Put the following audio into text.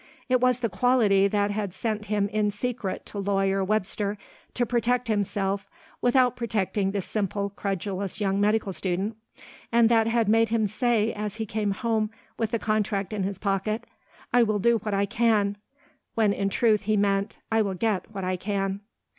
It was the quality that had sent him in secret to Lawyer Webster to protect himself without protecting the simple credulous young medical student, and that had made him say as he came home with the contract in his pocket, "I will do what I can," when in truth he meant, "I will get what I can."